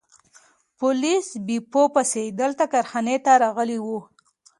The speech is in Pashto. پولیس بیپو پسې دلته کارخانې ته راغلي وو.